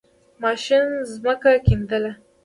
ماشین زَمکه کیندله.